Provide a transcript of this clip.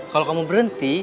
kalo kamu berhenti